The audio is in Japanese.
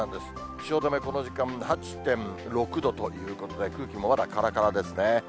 汐留、この時間８．６度ということで、空気もまだからからですね。